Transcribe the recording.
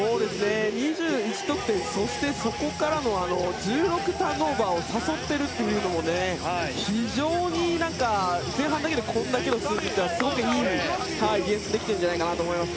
２１得点そして、そこからの１６ターンオーバーを誘っているというのも非常に前半だけでこれだけの数字というのはすごくいいディフェンスをしていると思います。